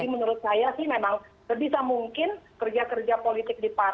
jadi menurut saya sih memang terbisa mungkin kerja kerja politik dipanjang